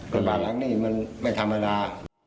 ระบาดหลังนี้มันไม่ธรรมดา